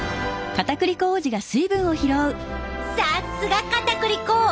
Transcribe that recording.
さすがかたくり粉！